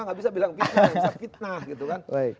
enggak bisa bilang fitnah kita fitnah